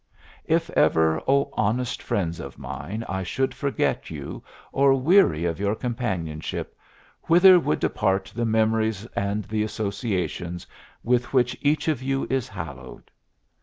If ever, O honest friends of mine, I should forget you or weary of your companionship, whither would depart the memories and the associations with which each of you is hallowed!